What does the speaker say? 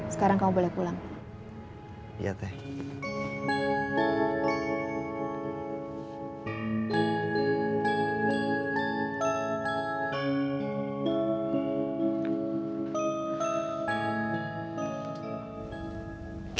sekarang kamu boleh pulang